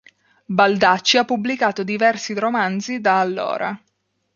Baldacci ha pubblicato diversi romanzi da allora.